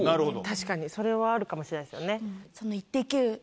確かにそれはあるかもしれないですよね。